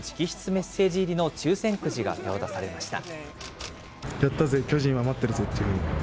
メッセージ入りの抽せんくじが手渡されました。